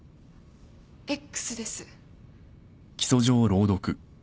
Ｘです。